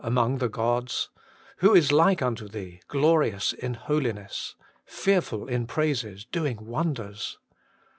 among the gods I Who is like unto Thee, glorious in holiness, Fearful in praises, doing wonders